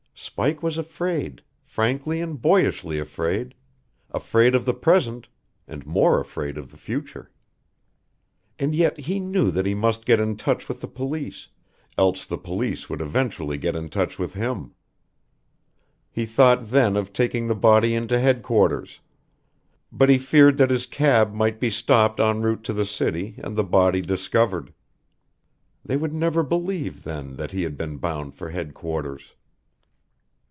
Spike was afraid, frankly and boyishly afraid afraid of the present, and more afraid of the future. And yet he knew that he must get in touch with the police, else the police would eventually get in touch with him. He thought then of taking the body in to headquarters; but he feared that his cab might be stopped en route to the city and the body discovered. They would never believe, then, that he had been bound for headquarters.